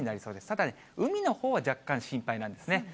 ただ、海のほうは若干心配なんですね。